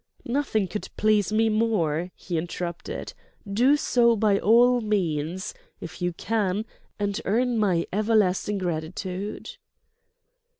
"Nothing could please me more," he interrupted. "Do so, by all means—if you can—and earn my everlasting gratitude."